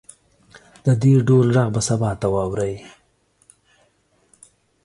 د دې ډول غږ به سبا ته واورئ